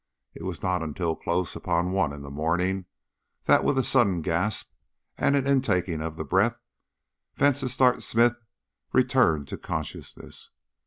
It was not until close upon one in the morning that, with a sudden gasp and an intaking of the breath, Vansittart Smith returned to consciousness.